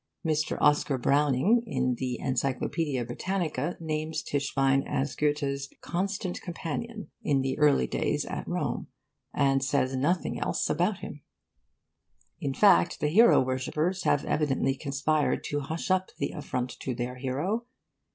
Mr. Oscar Browning, in the 'Encyclopaedia Britannica,' names Tischbein as Goethe's 'constant companion' in the early days at Rome and says nothing else about him! In fact, the hero worshippers have evidently conspired to hush up the affront to their hero.